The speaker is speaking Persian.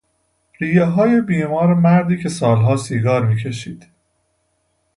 ریههای بیمار مردی که سالها سیگار میکشید